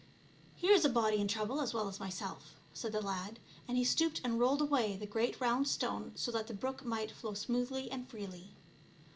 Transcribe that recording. " Here is a body in trouble as well as myself," said the lad, and he stooped and rolled away the great round stone so that the brook might flow smoothly and freely.